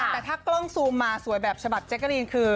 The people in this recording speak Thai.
แต่ถ้ากล้องซูมมาสวยแบบฉบับแจ๊กกะรีนคือ